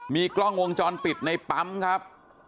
มีกล้องวงจรปิดในปั๊มครับ